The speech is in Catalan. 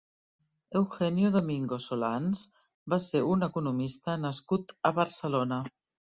Eugenio Domingo Solans va ser un economista nascut a Barcelona.